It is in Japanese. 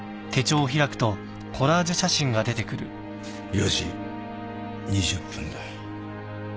４時２０分だ